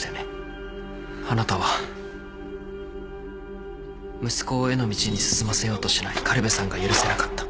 あなたは息子を絵の道に進ませようとしない苅部さんが許せなかった。